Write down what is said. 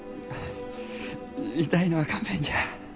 痛いのは勘弁じゃ。